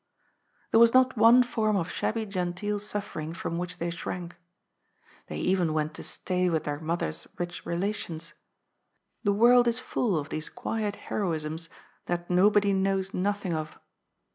There was not one form of shabby genteel suffering from which they shrank. They even went to stay with their mother's rich relations. The world is full of these quiet heroisms "that nobody knows nothing of."